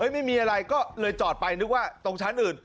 ไม่มีอะไรก็เลยจอดไปนึกว่าตรงชั้นอื่น